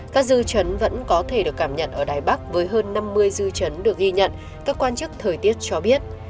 các dư chấn vẫn có thể được cảm nhận ở đài bắc với hơn năm mươi dư chấn được ghi nhận các quan chức thời tiết cho biết